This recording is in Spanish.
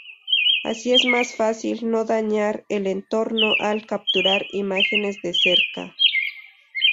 Así es más fácil no dañar el entorno al capturar imágenes de cerca.